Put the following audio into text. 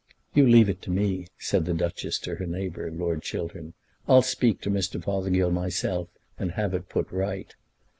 "You leave it to me," said the Duchess to her neighbour, Lord Chiltern. "I'll speak to Mr. Fothergill myself, and have it put right."